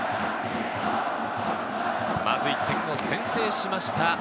まず１点を先制しました。